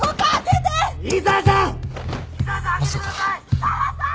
井沢さん！